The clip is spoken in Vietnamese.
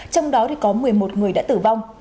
trong đó có một mươi một người đã tử vong